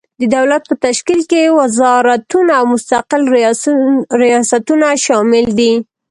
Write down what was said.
د دولت په تشکیل کې وزارتونه او مستقل ریاستونه شامل دي.